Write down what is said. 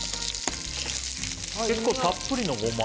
結構たっぷりのゴマ油。